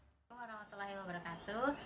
waalaikumsalam warahmatullahi wabarakatuh